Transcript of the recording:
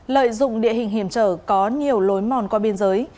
lợi dụng địa hình hiểm trở có nhiều lối mòn qua biên giới